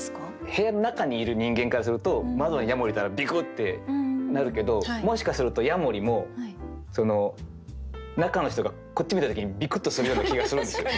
部屋の中にいる人間からすると窓にヤモリいたらビクッてなるけどもしかするとヤモリも中の人がこっち見た時にビクッとするような気がするんですよ。